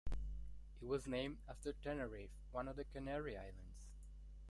It was named after Tenerife, one of the Canary Islands.